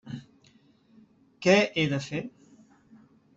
Què he de fer?